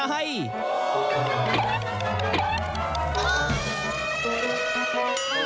เราไปกันไห้